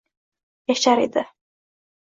Yashar edi